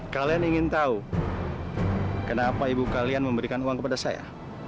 kalian ingin tahu kenapa ibu kalian memberikan uang kepada saya